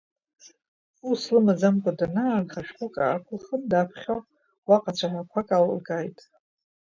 Ус лымаӡамкәа данаанха, шәҟәык аақәылхын, даԥхьо, уаҟа цәаҳәақәак алылкааит.